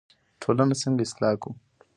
ټولنه څنګه اصلاح کړو؟